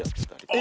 え！